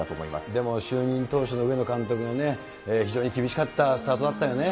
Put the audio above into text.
でも就任当初の上野監督はね、非常に厳しかったスタートだったよね。